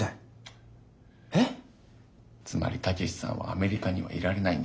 つまり武志さんはアメリカにはいられないんです。